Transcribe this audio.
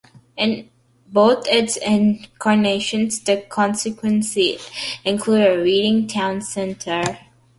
In both its incarnations, the constituency included Reading town centre.